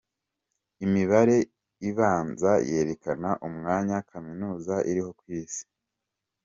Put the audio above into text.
Imibare ibanza yerekana umwanya kaminuza iriho ku isi.